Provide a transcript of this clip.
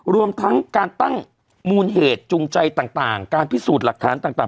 รวมทั้งการตั้งมูลเหตุจูงใจต่างการพิสูจน์หลักฐานต่าง